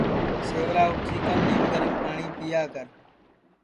سیوا اُٹھی کن نیم گرم پاٹؔی پیا کر